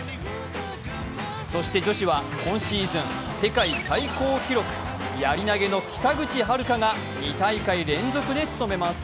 そして女子は、今シーズン世界最高記録やり投げの北口榛花が２大会連続で務めます。